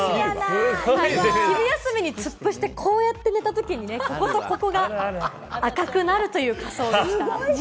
昼休みに突っ伏して、こうやって寝たときにこことここが赤くなるという仮装でした。